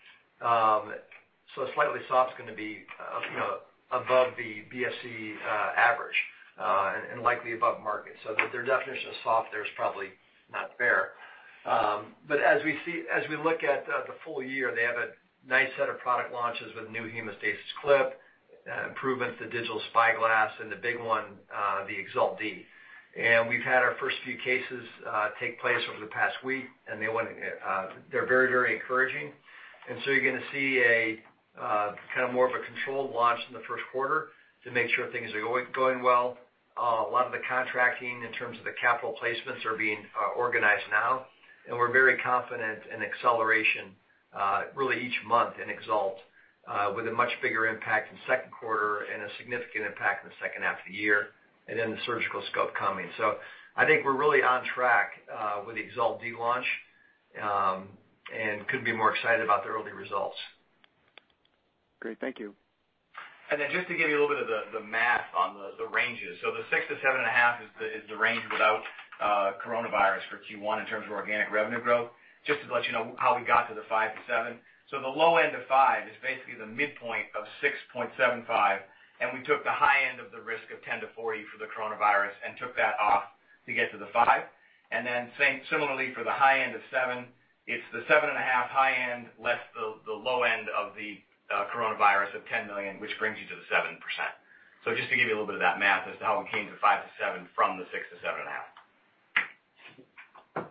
Slightly soft is going to be above the BSX average, and likely above market. Their definition of soft there is probably not fair. As we look at the full year, they have a nice set of product launches with new hemostasis clip, improvements to SpyGlass, and the big one, the EXALT-D. We've had our first few cases take place over the past week, and they're very encouraging. You're going to see a kind of more of a controlled launch in the first quarter to make sure things are going well. A lot of the contracting in terms of the capital placements are being organized now, and we're very confident in acceleration, really each month in EXALT, with a much bigger impact in the second quarter and a significant impact in the second half of the year, the surgical scope coming. I think we're really on track with the EXALT-D launch, and couldn't be more excited about the early results. Great. Thank you. Just to give you a little bit of the math on the ranges. The 6%-7.5% is the range without coronavirus for Q1 in terms of organic revenue growth, just to let you know how we got to the 5%-7%. The low end of 5% is basically the midpoint of 6.75%, and we took the high end of the risk of $10 million-$40 million for the coronavirus and took that off to get to the 5%. Similarly for the high end of 7%, it's the 7.5% high end less the low end of the coronavirus of $10 million, which brings you to the 7%. Just to give you a little bit of that math as to how we came to 5%-7% from the 6%-7.5%.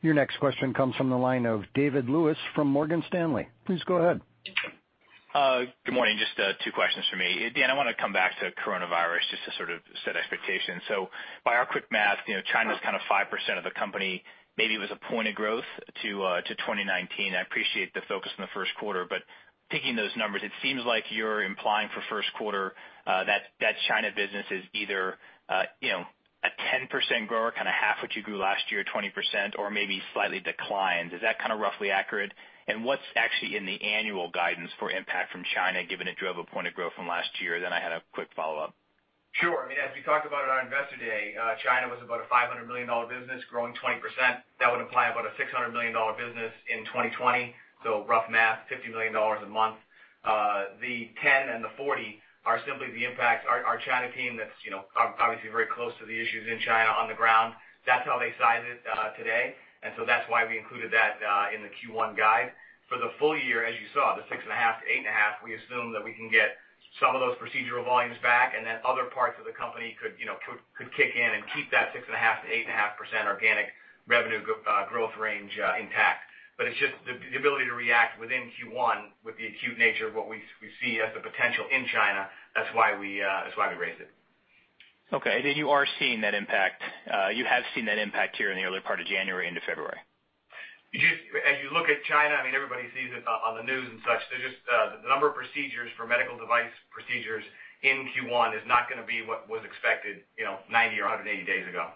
Your next question comes from the line of David Lewis from Morgan Stanley. Please go ahead. Good morning. Just two questions from me. Dan, I want to come back to coronavirus just to sort of set expectations. By our quick math, China's kind of 5% of the company, maybe it was a point of growth to 2019. I appreciate the focus on the first quarter, but taking those numbers, it seems like you're implying for the first quarter that China business is either a 10% grower, kind of half what you grew last year, 20%, or maybe slightly declined. Is that kind of roughly accurate? What's actually in the annual guidance for impact from China, given it drove a point of growth from last year? I had a quick follow-up. Sure. I mean, as we talked about at our Investor Day, China was about a $500 million business growing 20%. That would imply about a $600 million business in 2020. Rough math, $50 million a month. The 10 and the 40 are simply the impact. Our China team that's obviously very close to the issues in China on the ground, that's how they size it today, that's why we included that in the Q1 guide. For the full year, as you saw, the 6.5%-8.5%, we assume that we can get some of those procedural volumes back, other parts of the company could kick in and keep that 6.5%-8.5% organic revenue growth range intact. It's just the ability to react within Q1 with the acute nature of what we see as the potential in China. That's why we raised it. Okay. You are seeing that impact. You have seen that impact here in the early part of January into February. As you look at China, everybody sees this on the news and such. The number of procedures for medical device procedures in Q1 is not going to be what was expected 90 or 180 days ago.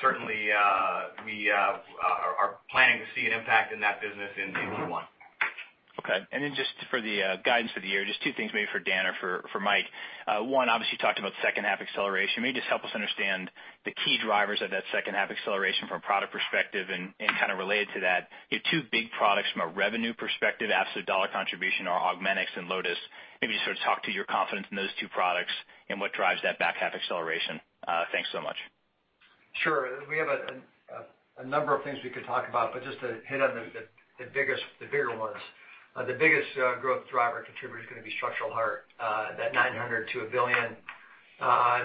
Certainly, we are planning to see an impact in that business in Q1. Okay. Just for the guidance for the year, just two things maybe for Dan or for Mike. One, obviously, you talked about second half acceleration. Maybe just help us understand the key drivers of that second half acceleration from a product perspective and kind of related to that, your two big products from a revenue perspective, absolute dollar contribution are Augmenix and Lotus. Maybe sort of talk to your confidence in those two products and what drives that back half acceleration. Thanks so much. Sure. We have a number of things we could talk about, just to hit on the bigger ones. The biggest growth driver contributor is going to be structural heart, that $900 million-$1 billion.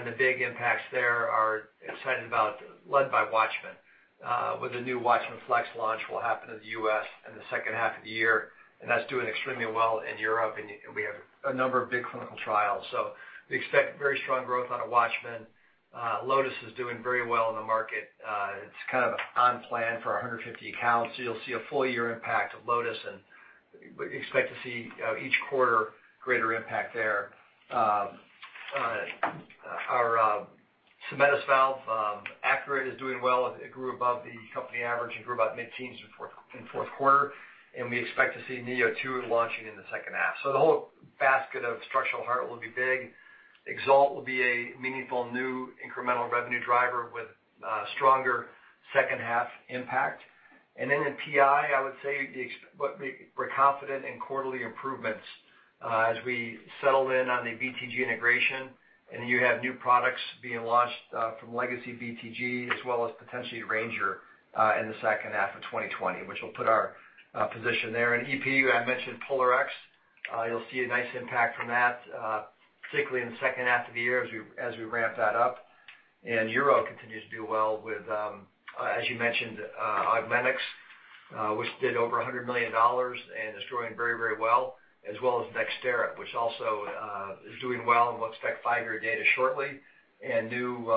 The big impacts there are excited about, led by WATCHMAN. With the new WATCHMAN FLX launch will happen in the U.S. in the second half of the year, that's doing extremely well in Europe, we have a number of big clinical trials. We expect very strong growth out of WATCHMAN. LOTUS is doing very well in the market. It's kind of on plan for 150 accounts, you'll see a full year impact of LOTUS, we expect to see each quarter greater impact there. Our cementless valve, ACURATE, is doing well. It grew above the company average. It grew about mid-teens in fourth quarter. We expect to see neo2 launching in the second half. The whole basket of structural heart will be big. EXALT will be a meaningful new incremental revenue driver with a stronger second half impact. In PI, I would say we're confident in quarterly improvements as we settle in on the BTG integration, and you have new products being launched from legacy BTG, as well as potentially Ranger in the second half of 2020, which will put our position there. In EP, I mentioned POLARx. You'll see a nice impact from that, particularly in the second half of the year as we ramp that up. Uro continues to do well with, as you mentioned Augmenix, which did over $100 million and is growing very well, as well as NxThera, which also is doing well and we'll expect five-year data shortly and new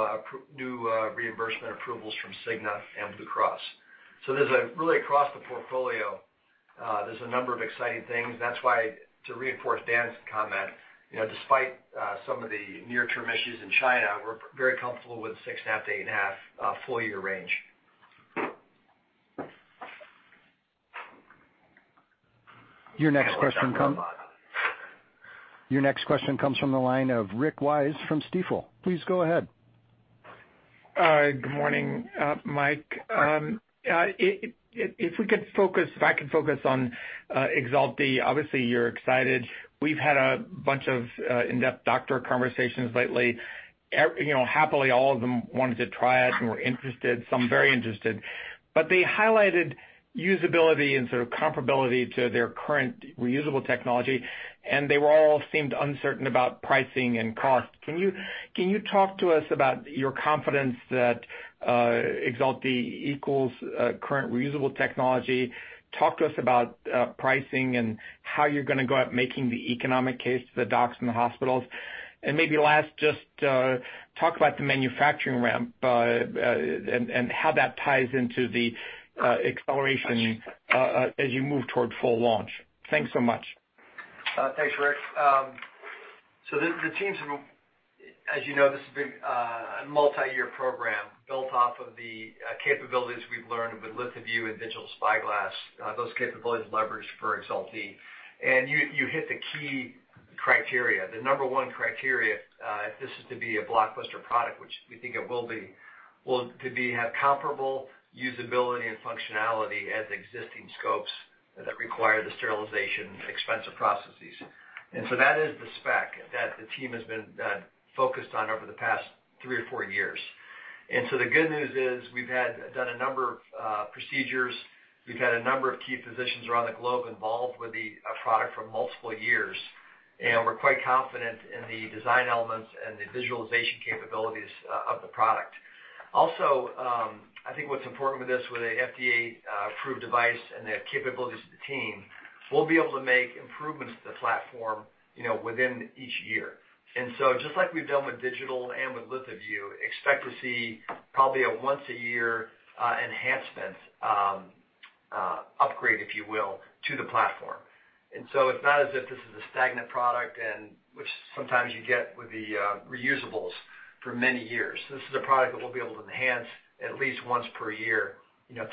reimbursement approvals from Cigna and Blue Cross. Really across the portfolio, there's a number of exciting things. That's why, to reinforce Dan's comment, despite some of the near-term issues in China, we're very comfortable with the 6.5%-8.5% full year range. Your next question comes from the line of Rick Wise from Stifel. Please go ahead. Good morning, Mike. If I can focus on EXALT-D, obviously you're excited. We've had a bunch of in-depth doctor conversations lately. Happily, all of them wanted to try it and were interested, some very interested. They highlighted usability and sort of comparability to their current reusable technology, and they all seemed uncertain about pricing and cost. Can you talk to us about your confidence that EXALT-D equals current reusable technology? Talk to us about pricing and how you're going to go about making the economic case to the docs and the hospitals. Maybe last, just talk about the manufacturing ramp and how that ties into the acceleration as you move toward full launch. Thanks so much. Thanks, Rick. The teams have, as you know, this has been a multi-year program built off of the capabilities we've learned with LithoVue and Digital SpyGlass, those capabilities leveraged for EXALT-D. You hit the key criteria. The number one criteria if this is to be a blockbuster product, which we think it will be, will to have comparable usability and functionality as existing scopes that require the sterilization expensive processes. That is the spec that the team has been focused on over the past three or four years. The good news is we've done a number of procedures. We've had a number of key physicians around the globe involved with the product for multiple years, and we're quite confident in the design elements and the visualization capabilities of the product. I think what's important with this, with an FDA-approved device and the capabilities of the team, we'll be able to make improvements to the platform within each year. Just like we've done with Digital and with LithoVue, expect to see probably a once a year enhancement upgrade, if you will, to the platform. It's not as if this is a stagnant product, which sometimes you get with the reusables for many years. This is a product that we'll be able to enhance at least once per year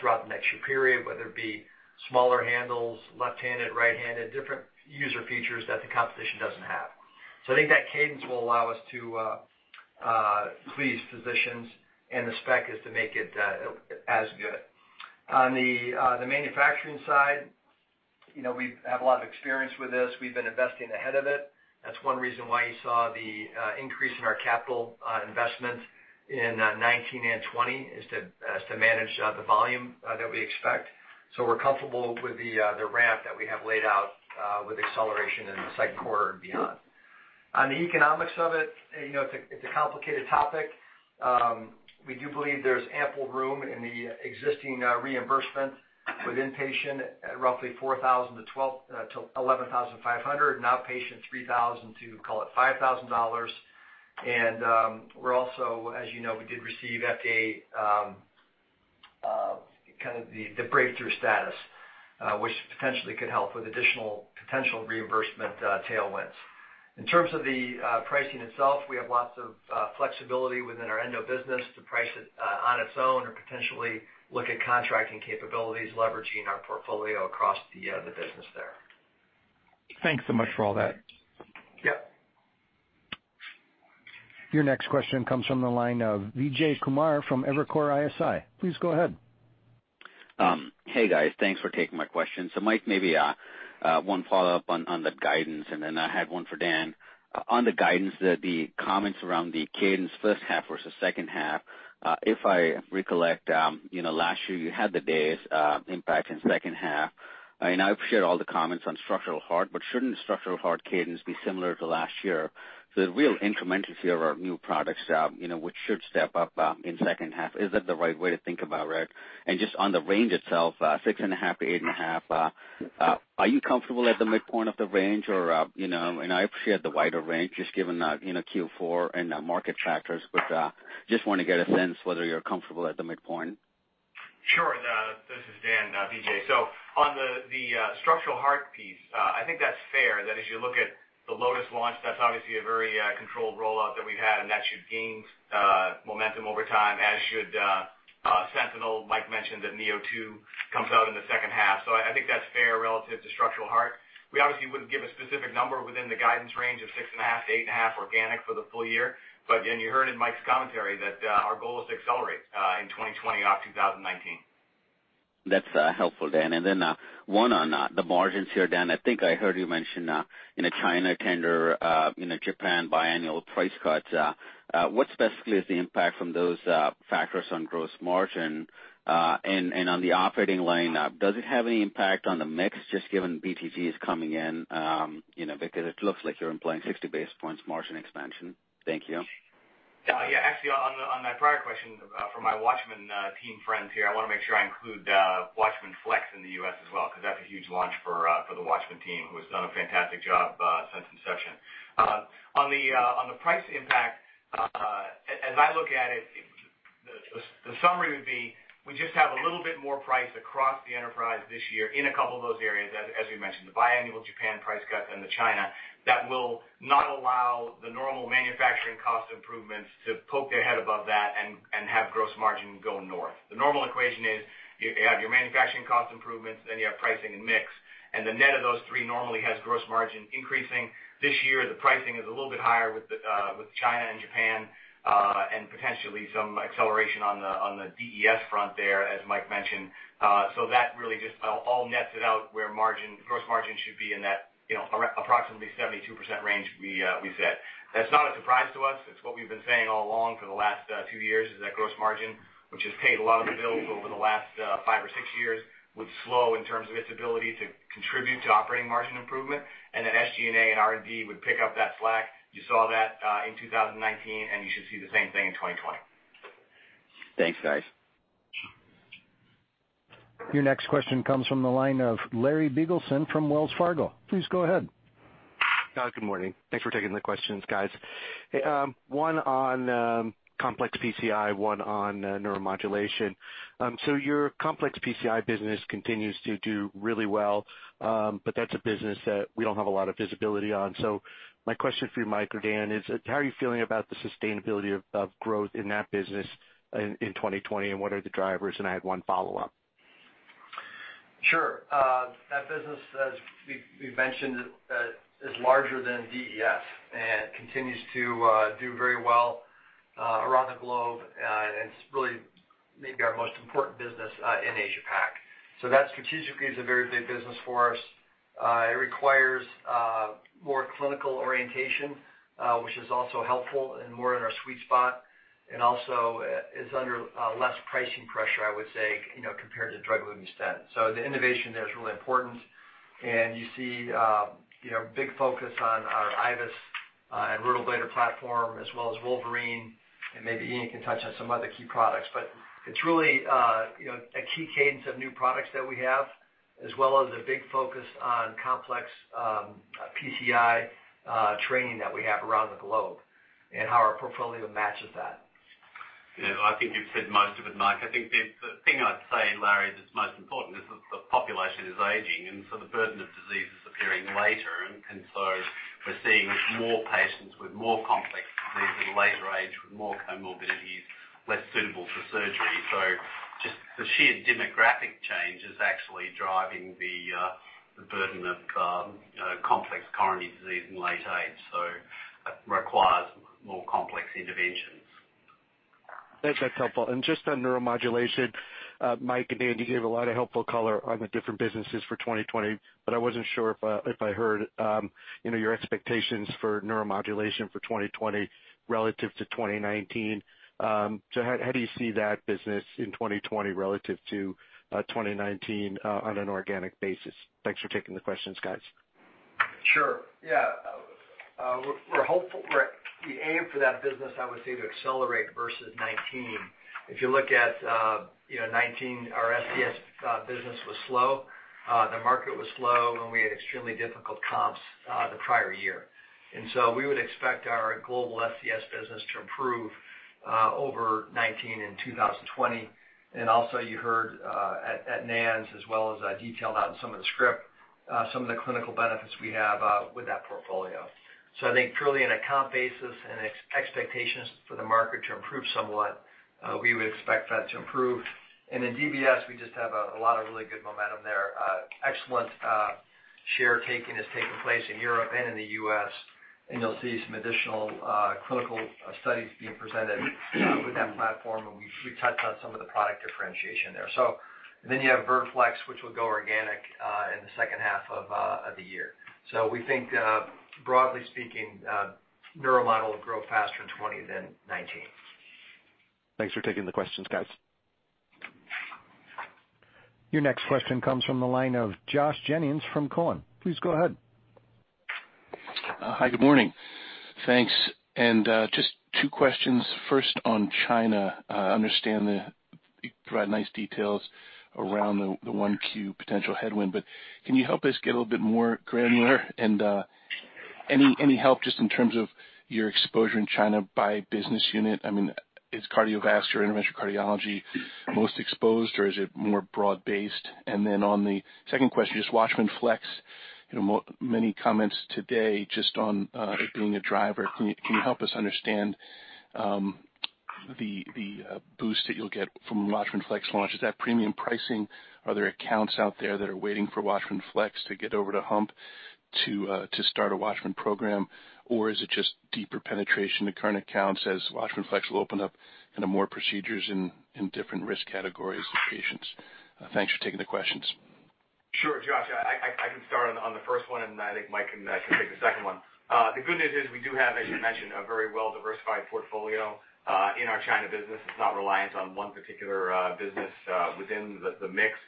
throughout the next year period, whether it be smaller handles, left-handed, right-handed, different user features that the competition doesn't have. I think that cadence will allow us to please physicians, and the spec is to make it as good. On the manufacturing side, we have a lot of experience with this. We've been investing ahead of it. That's one reason why you saw the increase in our capital investment in 2019 and 2020 is to manage the volume that we expect. We're comfortable with the ramp that we have laid out with acceleration in the second quarter and beyond. On the economics of it's a complicated topic. We do believe there's ample room in the existing reimbursement with inpatient at roughly $4,000-$11,500 and outpatient $3,000 to, call it, $5,000. We're also, as you know, we did receive FDA, kind of the breakthrough status, which potentially could help with additional potential reimbursement tailwinds. In terms of the pricing itself, we have lots of flexibility within our Endoscopy business to price it on its own or potentially look at contracting capabilities, leveraging our portfolio across the business there. Thanks so much for all that. Yep. Your next question comes from the line of Vijay Kumar from Evercore ISI. Please go ahead. Hey, guys. Thanks for taking my question. Mike, maybe one follow-up on the guidance, and then I have one for Dan. On the guidance, the comments around the cadence first half versus second half, if I recollect, last year you had the days impact in second half. I appreciate all the comments on structural heart, shouldn't structural heart cadence be similar to last year? The real incremental tier of our new products, which should step up in second half, is that the right way to think about it? Just on the range itself, 6.5%-8.5%, are you comfortable at the midpoint of the range? I appreciate the wider range, just given Q4 and market factors, just want to get a sense whether you're comfortable at the midpoint. Sure. This is Dan, Vijay. On the structural heart piece, I think that's fair, that as you look at the LOTUS launch, that's obviously a very controlled rollout that we've had, and that should gain momentum over time, as should SENTINEL. Mike mentioned that neo2 comes out in the second half. I think that's fair relative to structural heart. We obviously wouldn't give a specific number within the guidance range of 6.5%-8.5% organic for the full year. You heard in Mike's commentary that our goal is to accelerate in 2020 off 2019. That's helpful, Dan. One on the margins here, Dan. I think I heard you mention in a China tender, Japan biannual price cuts. What specifically is the impact from those factors on gross margin? On the operating line, does it have any impact on the mix, just given BTG is coming in, because it looks like you're implying 60 basis points margin expansion. Thank you. Yeah. Actually, on that prior question from my WATCHMAN team friends here, I want to make sure I include WATCHMAN FLX in the U.S. as well, because that's a huge launch for the WATCHMAN team, who has done a fantastic job since inception. On the price impact, as I look at it, the summary would be we just have a little bit more price across the enterprise this year in a couple of those areas, as we mentioned, the biannual Japan price cuts and the China, that will not allow the normal manufacturing cost improvements to poke their head above that and have gross margin go north. The normal equation is you have your manufacturing cost improvements, then you have pricing and mix, and the net of those three normally has gross margin increasing. This year, the pricing is a little bit higher with China and Japan, and potentially some acceleration on the DES front there, as Mike mentioned. That really just all nets it out where gross margin should be in that approximately 72% range we set. That's not a surprise to us. It's what we've been saying all along for the last two years is that gross margin, which has paid a lot of the bills over the last five or six years, would slow in terms of its ability to contribute to operating margin improvement, and then SG&A and R&D would pick up that slack. You saw that in 2019, and you should see the same thing in 2020. Thanks, guys. Your next question comes from the line of Larry Biegelsen from Wells Fargo. Please go ahead. Good morning. Thanks for taking the questions, guys. One on complex PCI, one on neuromodulation. Your complex PCI business continues to do really well, but that's a business that we don't have a lot of visibility on. My question for you, Mike or Dan, is how are you feeling about the sustainability of growth in that business in 2020, and what are the drivers? I had one follow-up. Sure. That business, as we've mentioned, is larger than DES and continues to do very well around the globe, and it's really maybe our most important business in Asia-Pac. That strategically is a very big business for us. It requires more clinical orientation, which is also helpful and more in our sweet spot, and also is under less pricing pressure, I would say, compared to drug-eluting stent. The innovation there is really important. You see a big focus on our IVUS and ROTABLATOR platform, as well as WOLVERINE, and maybe Ian can touch on some other key products. It's really a key cadence of new products that we have, as well as a big focus on complex PCI training that we have around the globe and how our portfolio matches that. Yeah, I think you've said most of it, Mike. I think the thing I'd say, Larry, that's most important is that the population is aging, and so the burden of disease is appearing later, and so we're seeing more patients with more complex disease at a later age with more comorbidities, less suitable for surgery. Just the sheer demographic change is actually driving the burden of complex coronary disease in late age, so that requires more complex interventions. That's helpful. Just on neuromodulation, Mike and Dan, you gave a lot of helpful color on the different businesses for 2020, but I wasn't sure if I heard your expectations for neuromodulation for 2020 relative to 2019. How do you see that business in 2020 relative to 2019 on an organic basis? Thanks for taking the questions, guys. Sure. We aim for that business, I would say, to accelerate versus 2019. If you look at 2019, our SCS business was slow. The market was slow. We had extremely difficult comps the prior year. We would expect our global SCS business to improve over 2019 in 2020. Also you heard at NANS as well as I detailed out in some of the script, some of the clinical benefits we have with that portfolio. I think truly on a comp basis and expectations for the market to improve somewhat, we would expect that to improve. In DBS, we just have a lot of really good momentum there. Excellent share taking is taking place in Europe and in the U.S., and you'll see some additional clinical studies being presented with that platform, and we touched on some of the product differentiation there. You have Vertiflex, which will go organic in the second half of the year. We think broadly speaking, neuromod will grow faster in 2020 than 2019. Thanks for taking the questions, guys. Your next question comes from the line of Josh Jennings from Cowen. Please go ahead. Hi, good morning. Thanks. Just two questions. First on China. I understand you provide nice details around the 1Q potential headwind, but can you help us get a little bit more granular and any help just in terms of your exposure in China by business unit? I mean, is cardiovascular interventional cardiology most exposed, or is it more broad-based? On the second question, just WATCHMAN FLX. Many comments today just on it being a driver. Can you help us understand the boost that you'll get from WATCHMAN FLX launch? Is that premium pricing? Are there accounts out there that are waiting for WATCHMAN FLX to get over the hump to start a WATCHMAN program? Is it just deeper penetration to current accounts as WATCHMAN FLX will open up more procedures in different risk categories of patients? Thanks for taking the questions. Sure. Josh, I can start on the first one, and I think Mike can take the second one. The good news is we do have, as you mentioned, a very well-diversified portfolio in our China business. It's not reliant on one particular business within the mix.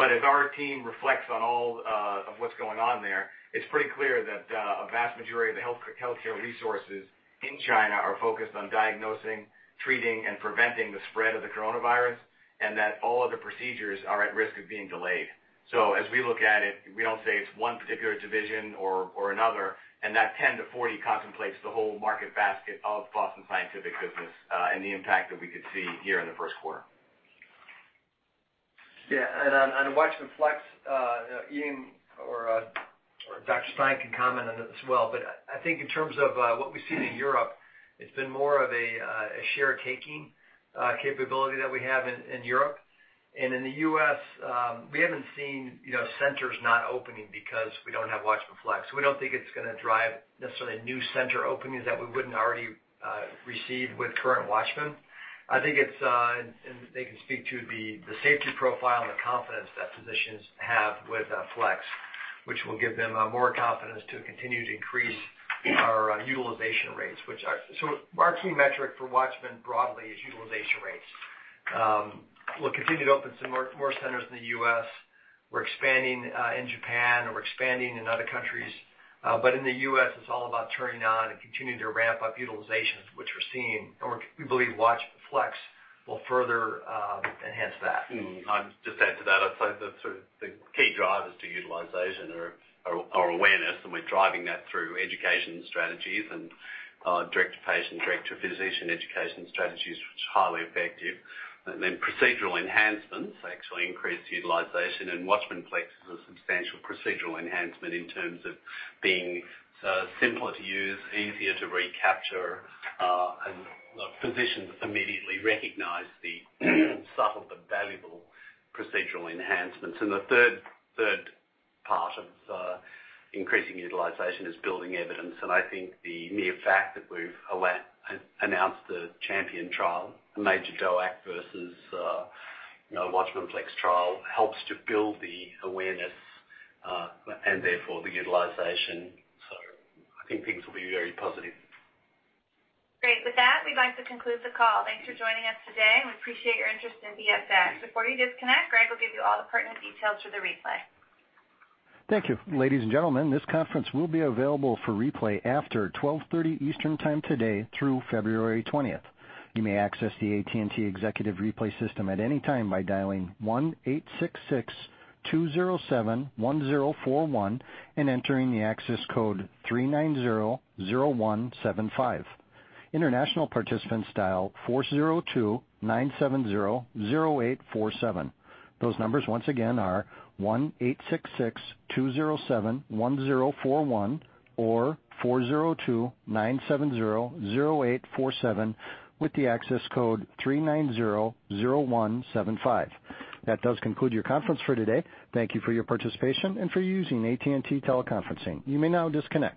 As our team reflects on all of what's going on there, it's pretty clear that a vast majority of the healthcare resources in China are focused on diagnosing, treating, and preventing the spread of the coronavirus, and that all other procedures are at risk of being delayed. As we look at it, we don't say it's one particular division or another, and that 10-40 contemplates the whole market basket of Boston Scientific business and the impact that we could see here in the first quarter. Yeah. On WATCHMAN FLX, Ian or Dr. Stein can comment on it as well. I think in terms of what we've seen in Europe, it's been more of a share-taking capability that we have in Europe. In the U.S., we haven't seen centers not opening because we don't have WATCHMAN FLX. We don't think it's going to drive necessarily new center openings that we wouldn't already receive with current WATCHMAN. I think it's, and they can speak to the safety profile and the confidence that physicians have with FLX, which will give them more confidence to continue to increase our utilization rates. Our key metric for WATCHMAN broadly is utilization rates. We'll continue to open some more centers in the U.S. We're expanding in Japan, and we're expanding in other countries. In the U.S., it's all about turning on and continuing to ramp up utilizations, which we're seeing. We believe WATCHMAN FLX will further enhance that. I'll just add to that. I'd say the sort of the key drivers to utilization are awareness, and we're driving that through education strategies and direct-to-patient, direct-to-physician education strategies, which are highly effective. Procedural enhancements actually increase utilization, and WATCHMAN FLX is a substantial procedural enhancement in terms of being simpler to use, easier to recapture, and physicians immediately recognize the subtle but valuable procedural enhancements. The third part of increasing utilization is building evidence. I think the mere fact that we've announced the CHAMPION-AF trial, a major DOAC versus WATCHMAN FLX trial, helps to build the awareness and therefore the utilization. I think things will be very positive. Great. With that, we'd like to conclude the call. Thanks for joining us today. We appreciate your interest in BSX. Before you disconnect, Greg will give you all the pertinent details for the replay. Thank you. Ladies and gentlemen, this conference will be available for replay after 12:30 Eastern Time today through February 20th. You may access the AT&T Executive Replay system at any time by dialing 1-866-207-1041 and entering the access code 3900175. International participants dial 402-970-0847. Those numbers once again are 1-866-207-1041 or 402-970-0847 with the access code 3900175. That does conclude your conference for today. Thank you for your participation and for using AT&T Teleconferencing. You may now disconnect.